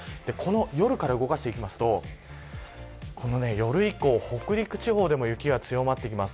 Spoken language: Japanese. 夜から動かすと夜以降、北陸地方でも雪が強まってきます。